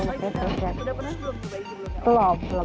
udah pernah belum coba ini belum